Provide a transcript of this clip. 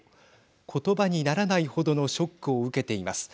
ことばにならないほどのショックを受けています。